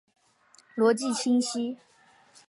逻辑清晰！